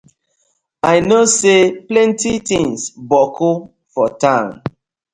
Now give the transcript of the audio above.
I kno say plenty tinz boku for town.